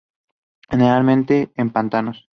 Generalmente en pantanos.